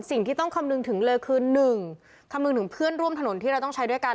สิ่งที่ต้องคำนึงถึงเลยคือหนึ่งคำนึงถึงเพื่อนร่วมถนนที่เราต้องใช้ด้วยกัน